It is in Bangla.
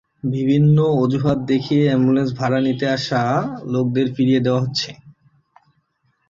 বিভিন্ন অজুহাত দেখিয়ে অ্যাম্বুলেন্স ভাড়া নিতে আসা লোকদের ফিরিয়ে দেওয়া হচ্ছে।